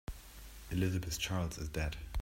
Elizabeth Charles is dead.